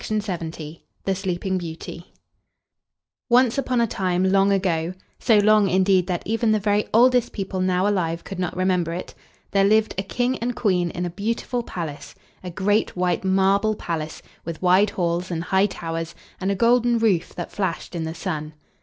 THE SLEEPING BEAUTY Once upon a time long ago so long, indeed, that even the very oldest people now alive could not remember it there lived a King and Queen in a beautiful palace, a great white marble palace, with wide halls and high towers, and a golden roof that flashed in the sun.